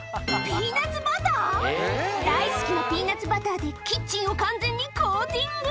これ大好きなピーナツバターでキッチンを完全にコーティング